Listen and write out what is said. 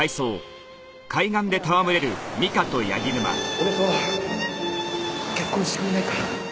俺と結婚してくれないか？